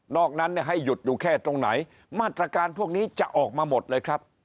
นั้นให้หยุดอยู่แค่ตรงไหนมาตรการพวกนี้จะออกมาหมดเลยครับ